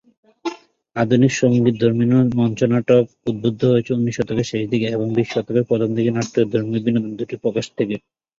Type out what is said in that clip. আধুনিক সঙ্গীতধর্মী মঞ্চনাটক উদ্ভূত হয়েছে উনিশ শতকের শেষ দিকের এবং বিশ শতকের প্রথম দিকের নাট্যধর্মী বিনোদনের দুইটি প্রকার থেকে।